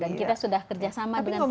dan kita sudah kerjasama dengan pramuka juga